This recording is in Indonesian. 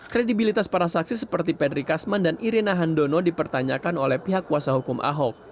kredibilitas para saksi seperti pedri kasman dan irina handono dipertanyakan oleh pihak kuasa hukum ahok